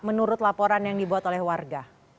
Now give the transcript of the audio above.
menurut laporan yang dibuat oleh warga